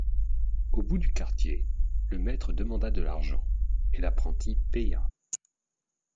Au bout du quartier, le maître demanda de l'argent, et l'apprenti paya.